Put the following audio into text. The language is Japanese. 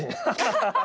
ハハハハ。